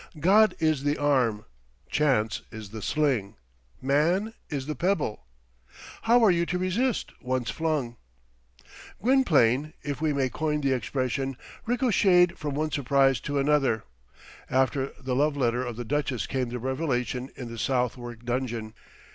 God is the arm, chance is the sling, man is the pebble. How are you to resist, once flung? Gwynplaine, if we may coin the expression, ricocheted from one surprise to another. After the love letter of the duchess came the revelation in the Southwark dungeon.